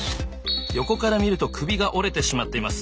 横から見ると首が折れてしまっています。